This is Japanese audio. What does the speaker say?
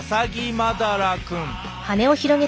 マダラくん